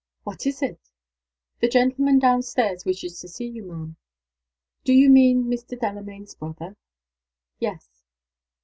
"What is it?" "The gentleman down stairs wishes to see you, ma'am." "Do you mean Mr. Delamayn's brother?" "Yes."